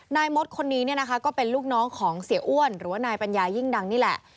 นายมดคนนี้เนี่ยนะคะก็เป็นลูกน้องของเสียอ้วนหรือว่านายปัญญายิ่งดังนี่แหละ